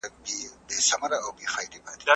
¬اوښ تې ويل الغبندي وکه، ده ول، په کمو لاسو.